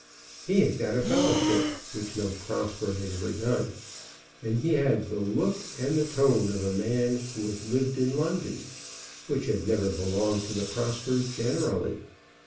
He had got a fellowship, which no Prosper had ever done; and he had the look and tone of a man who had lived in London, which had never belonged to the Prospers generally.